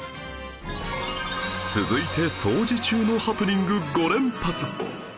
続いて掃除中のハプニング５連発